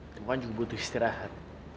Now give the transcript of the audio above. bukan juga butuh istirahat